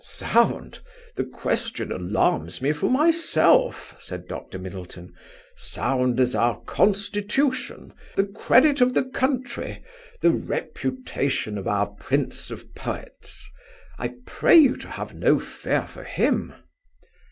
"Sound? The question alarms me for myself," said Dr. Middleton. "Sound as our Constitution, the Credit of the country, the reputation of our Prince of poets. I pray you to have no fears for him."